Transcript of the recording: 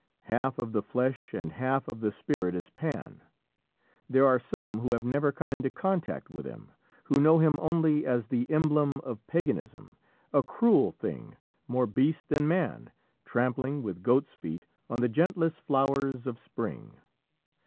Half of the flesh and half of the spirit is Pan. There are some who have never come into contact with him, who know him only as the emblem of Paganism, a cruel thing, more beast than man, trampling, with goat's feet, on the gentlest flowers of spring.